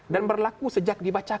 dan berlaku sejak dibacakan